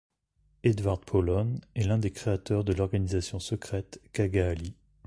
Edvard Polón est l'un des créateurs de l'organisation secrète Kagaali.